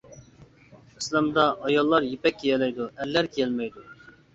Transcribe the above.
ئىسلامدا ئاياللار يىپەك كىيەلەيدۇ، ئەرلەر كىيەلمەيدۇ.